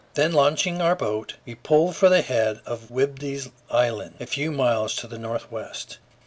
Then launching our boat, we pulled for the head of Whidbey's Island, a few miles to the northwest.